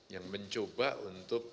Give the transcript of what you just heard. yang mencoba untuk